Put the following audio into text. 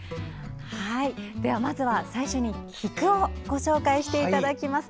まずは最初に菊をご紹介していただきます。